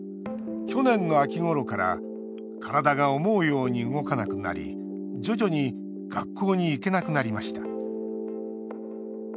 去年の秋ごろから体が思うように動かなくなり徐々に学校に行けなくなりました。